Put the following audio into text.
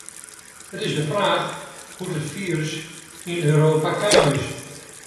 It is de fraach hoe't it firus yn Europa kaam is.